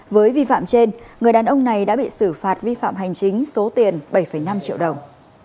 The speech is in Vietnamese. với vi phạm trên người đàn ông này đã bị xử phạt vi phạm hành chính số tiền bảy năm triệu đồng